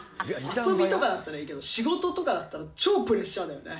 遊びとかだったらいいけど、仕事とかだったら、超プレッシャーだよね。